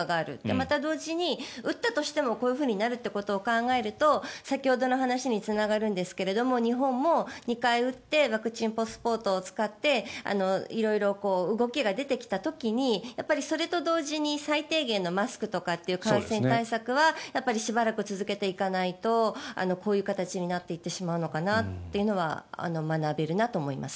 また、同時に打ったとしてもこういうふうになるということを考えると先ほどの話につながるんですが日本も２回打ってワクチンパスポートを使って色々動きが出てきた時にそれと同時に最低限のマスクという感染対策はしばらくは続けていかないとこういう形になっていってしまうのかなとは学べると思います。